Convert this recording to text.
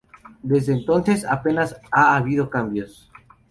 Desde entonces, apenas ha habido cambios.